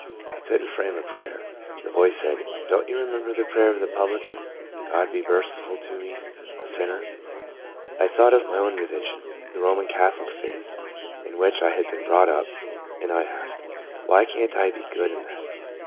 I could n't frame a prayer. The voice said, " Do n't you remember the prayer of the publican, ' God be merciful to me a sinner' ?" I thought of my own religion, the Roman catholic faith, in which I had been brought up, and I asked, " Why can't I be good in that